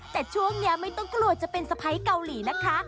แต่ช่วงนี้ไม่ต้องกลัวจะเป็นสะพ้ายเกาหลีนะคะ